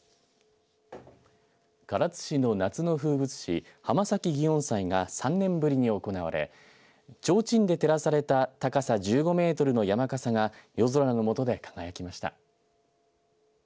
唐津市の夏の風物詩、浜崎祇園祭が３年ぶりに行われちょうちんで照らされた高さ１５メートルの山かさが夜空のもとで輝きました。